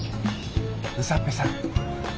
うさっぺさん